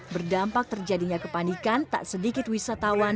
berdampak terjadinya kepanikan tak sedikit wisatawan